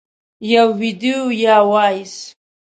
- یو ویډیو یا Voice 🎧